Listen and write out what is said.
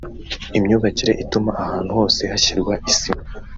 Imyubakire ituma ahantu hose hashyirwa isima